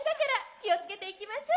気を付けていきましょう。